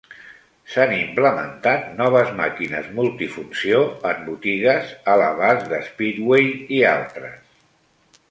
S'han implementat noves màquines multifunció en botigues a l'abast de Speedway i altres.